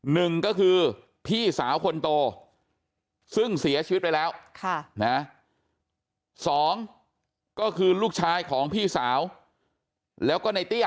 หนึ่งก็คือพี่สาวคนโตซึ่งเสียชีวิตไปแล้วสองก็คือลูกชายของพี่สาว